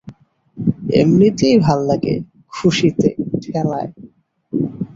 এমনিতেই,, ভাল্লাগে, খুশির ঠ্যালায়!